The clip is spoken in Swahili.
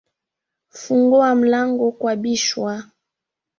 funguwa mlango kwabishwa